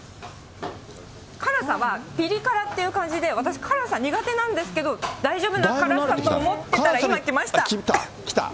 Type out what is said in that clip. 辛さは、ぴり辛っていう感じで、私、辛さ苦手なんですけど、大丈夫な辛さと思ってたら、今、来た？